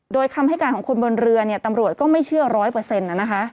โดยคำให้การของคนบนเรือเนี่ยตำรวจก็ไม่เชื่อร้อยเปอร์เซ็นต์นะคะ